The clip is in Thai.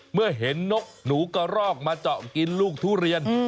เมื่อเห็นนกหนูกระรอกมาเจาะกินลูกทุเรียน